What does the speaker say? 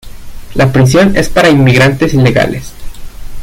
La prisión es para inmigrantes ilegales.